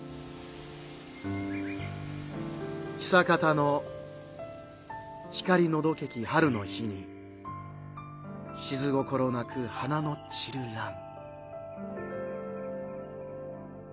「久方の光のどけき春の日にしづ心なく花の散るらむ」。